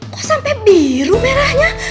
kok sampe biru merahnya